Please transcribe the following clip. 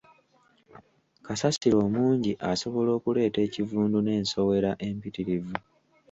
Kasasiro omungi asobola okuleeta ekivundu n'ensowera empitirivu.